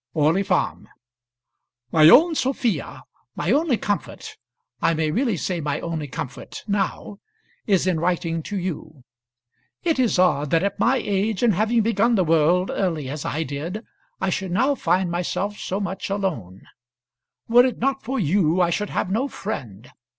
Orley Farm, . MY OWN SOPHIA, My only comfort I may really say my only comfort now is in writing to you. It is odd that at my age, and having begun the world early as I did, I should now find myself so much alone. Were it not for you, I should have no friend.